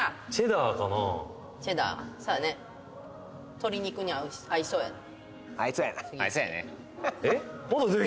鶏肉に合いそうや次えっ？